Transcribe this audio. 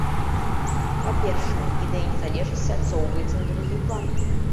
Па-першае, ідэя незалежнасці адсоўваецца на другі план.